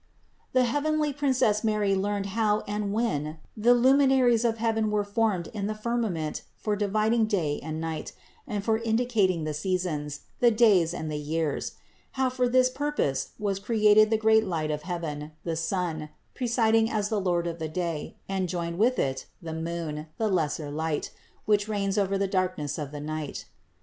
The heavenly Princess Mary learned how and when the luminaries of heaven were formed in the firmament for dividing day and night and for indi cating the seasons, the days and the years; how for this purpose was created the great light of heaven, the sun, presiding as the lord of the day, and joined with it, the moon, the lesser light, which reigns over the darkness of the night.